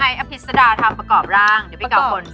ใช่ให้ไอ้อภิษฎาทำประกอบร่างเดี๋ยวไปกล่าวคน